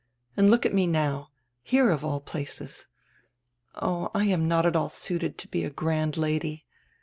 And look at me now! Here, of all places! Oh, I am not at all suited to be a grand Lady.